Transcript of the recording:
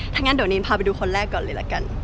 ถ้างั้นเดี๋ยวนี้พาไปดูคนแรกก่อนเลยละกัน